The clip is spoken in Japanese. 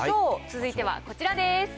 続いてはこちらです。